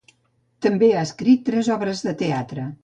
També ha escrit tres obres de teatre.